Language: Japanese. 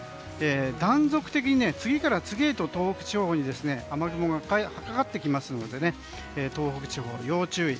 断続的に次から次へと東北地方へと雨雲がかかってきますので東北地方、要注意。